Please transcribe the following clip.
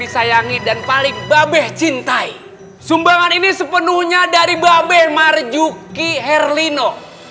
disayangi dan paling bapak cintai sumbangan ini sepenuhnya dari bapak marjuki herlino